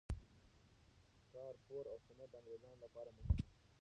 شکارپور او سند د انګریزانو لپاره مهم وو.